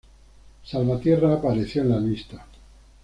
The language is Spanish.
Salvatierra apareció en la lista.